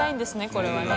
これはね。